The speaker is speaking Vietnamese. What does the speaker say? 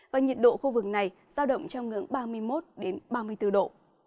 và nhiệt độ khu vực này giao động trong ngưỡng ba mươi một ba mươi bốn độ